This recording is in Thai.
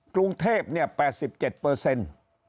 กรุงเทพเนี่ย๘๗เปอร์เซ็นต์